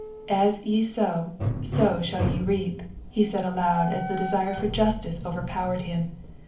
"As ye sow, so shall ye reap," he said aloud as the desire for justice overpowered him.